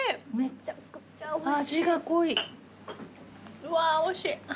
うわーおいしい。